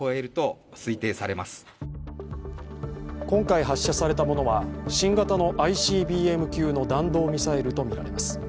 今回発射されたものは新型のＩＣＢＭ級の弾道ミサイルとみられます。